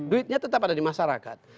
duitnya tetap ada di masyarakat